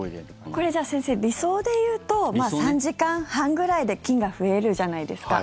これ、じゃあ先生理想で言うと３時間半ぐらいで菌が増えるじゃないですか。